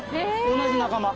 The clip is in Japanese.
同じ仲間。